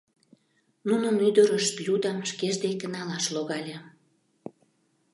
Нунын ӱдырышт Людам шкеж дек налаш логале.